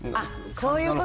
そういうこと？